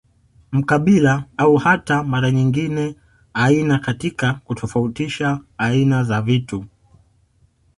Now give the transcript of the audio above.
Mkabila au hata mara nyingine aina katika kutofautisha aina za vitu